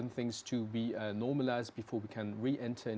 dan juga bisa menjadi sebuah kekuatan yang stabil